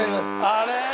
あれ？